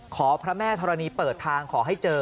พระแม่ธรณีเปิดทางขอให้เจอ